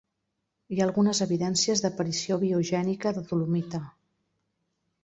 Hi ha algunes evidències d'aparició biogènica de dolomita.